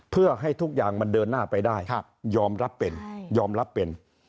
เพื่อให้ทุกอย่างมันเดินหน้าไปได้ยอมรับเป็นยอมรับเป็น